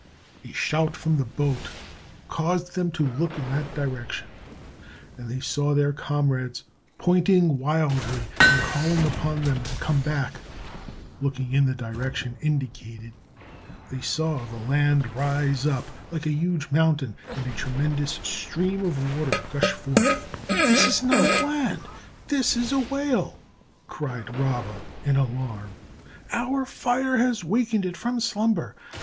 A shout from the boat caused them to look in that direction, and they saw their comrades pointing wildly and calling upon them to come back. Looking in the direction indicated, they saw the land rise up like a huge mountain and a tremendous stream of water gush forth. "This is not land; this is a whale," cried Rabba, in alarm. "Our fire has wakened it from slumber.